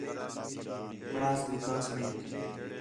پڑھاس، لِکھاس میک